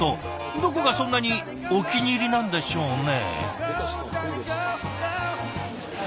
どこがそんなにお気に入りなんでしょうね？